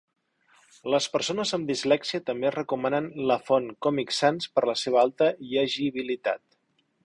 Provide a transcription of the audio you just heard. Les persones amb dislèxia també recomanen la font Comic Sans per la seva alta llegibilitat.